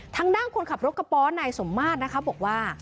ทางด้านคนขับรถกระป๋อนายสมมาตรนะคะบอกว่า